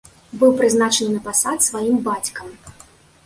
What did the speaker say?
Быў прызначаны на пасад сваім бацькам.